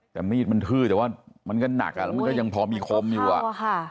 แต่มีดมันทื้อแต่ว่ามันก็หนักมันก็ยังพอมีคมอยู่